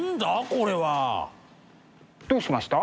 これは。どうしました？